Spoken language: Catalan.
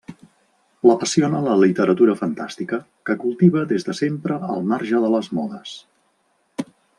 L'apassiona la literatura fantàstica, que cultiva des de sempre al marge de les modes.